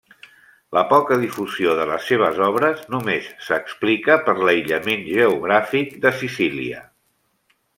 La poca difusió de les seves obres només s'explica per l'aïllament geogràfic de Sicília.